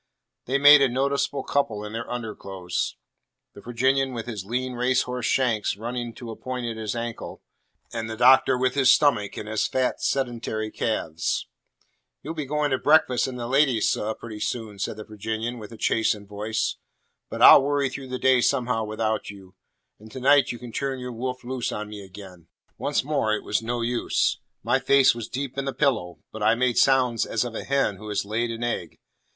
They made a noticeable couple in their underclothes; the Virginian with his lean racehorse shanks running to a point at his ankle, and the Doctor with his stomach and his fat sedentary calves. "You'll be going to breakfast and the ladies, seh, pretty soon," said the Virginian, with a chastened voice. "But I'll worry through the day somehow without y'u. And to night you can turn your wolf loose on me again." Once more it was no use. My face was deep in the pillow, but I made sounds as of a hen who has laid an egg.